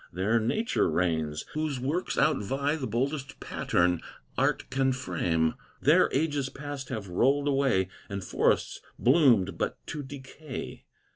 There Nature reigns, whose works outvie The boldest pattern art can frame; There ages past have rolled away, And forests bloomed but to decay.